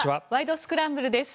スクランブル」です。